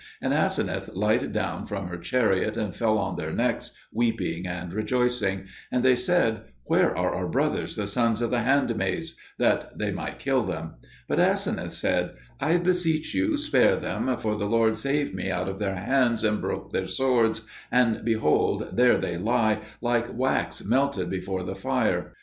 And Aseneth lighted down from her chariot and fell on their necks weeping and rejoicing; and they said, "Where are our brothers the sons of the handmaids?" that they might kill them. But Aseneth said, "I beseech you, spare them, for the Lord saved me out of their hands and broke their swords, and, behold, there they lie, like wax melted before the fire.